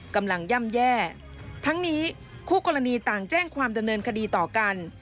ย่ำแย่ทั้งนี้คู่กรณีต่างแจ้งความดำเนินคดีต่อกัน